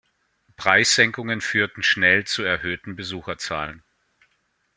Preissenkungen führten schnell zu erhöhten Besucherzahlen.